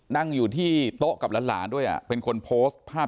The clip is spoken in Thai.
นั่งอยู่ที่โต๊ะกับหลานด้วยเป็นคนโพสต์ภาพ